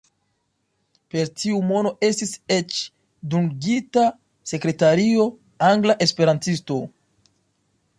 Per tiu mono estis eĉ dungita sekretario, angla esperantisto.